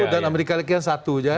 dan amerika rakyat satu